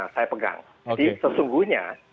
saya pegang jadi sesungguhnya